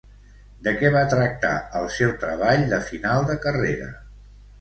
De què va tractar el seu treball de final de carrera?